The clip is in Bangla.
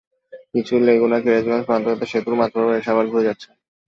কিছু লেগুনা কেরানীগঞ্জ প্রান্ত থেকে সেতুর মাঝ বরাবর এসে আবার ঘুরে যাচ্ছে।